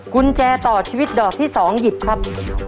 กุญแจต่อชีวิตดอกที่๒หยิบครับ